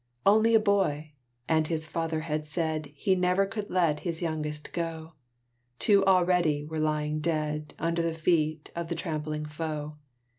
Only a boy! and his father had said He never could let his youngest go: Two already were lying dead Under the feet of the trampling foe.